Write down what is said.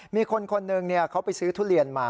มีคนคนหนึ่งเขาไปซื้อทุเรียนมา